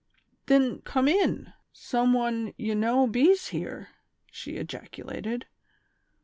" Thin, com in,, som one ye know bees here," she ejacu lated.